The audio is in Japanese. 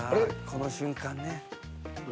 この瞬間ね。